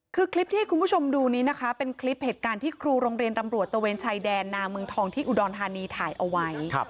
คือคลิปที่ให้คุณผู้ชมดูนี้นะคะเป็นคลิปเหตุการณ์ที่ครูโรงเรียนตำรวจตะเวนชายแดนนาเมืองทองที่อุดรธานีถ่ายเอาไว้